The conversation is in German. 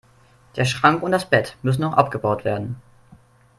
Der Schrank und das Bett müssen noch abgebaut werden.